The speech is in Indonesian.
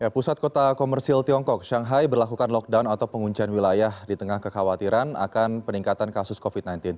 pusat kota komersil tiongkok shanghai berlakukan lockdown atau penguncian wilayah di tengah kekhawatiran akan peningkatan kasus covid sembilan belas